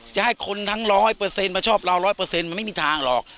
จะให้คนทั้งร้อยเปอร์เซ็นต์มาชอบเราร้อยเปอร์เซ็นต์มันไม่มีทางหรอก